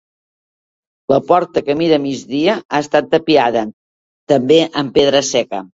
La porta, que mira a migdia ha estat tapiada també amb pedra seca.